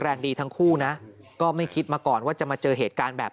แรงดีทั้งคู่นะก็ไม่คิดมาก่อนว่าจะมาเจอเหตุการณ์แบบ